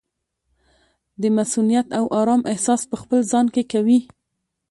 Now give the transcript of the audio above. د مصؤنیت او ارام احساس پخپل ځان کې کوي.